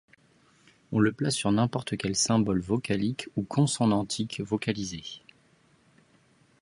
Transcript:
On le place sur n’importe quel symbole vocalique ou consonantique vocalisé.